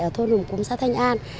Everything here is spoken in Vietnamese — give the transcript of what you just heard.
ở thôn hồng cúm xã thanh an